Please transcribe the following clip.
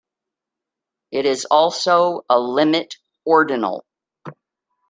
It is also a limit ordinal.